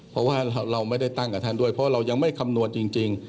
เพราะว่าเราไม่ได้ตั้งกับท่านด้วยเพราะเรายังไม่คำนวณจริง